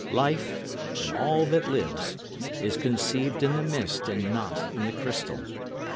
Life, and all that lives, is conceived in the mist and not in the crystal.